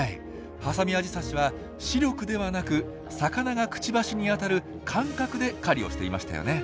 ハサミアジサシは「視力」ではなく魚がクチバシに当たる「感覚」で狩りをしていましたよね。